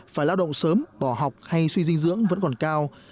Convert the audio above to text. phải lao động sớm bỏ học hay suy dinh dưỡng vẫn còn cao